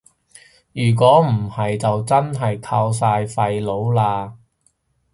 如果唔係就真係靠晒廢老喇